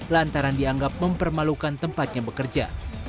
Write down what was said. lantaran dianggap mempermalukan tempatnya bekerja